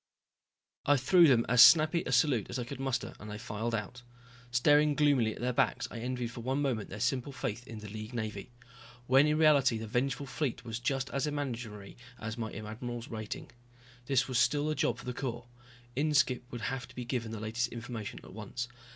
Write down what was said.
I threw them as snappy a salute as I could muster and they filed out. Staring gloomily at their backs I envied for one moment their simple faith in the League Navy. When in reality the vengeful fleet was just as imaginary as my admiral's rating. This was still a job for the Corps. Inskipp would have to be given the latest information at once.